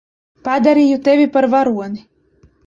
Padarīju tevi par varoni.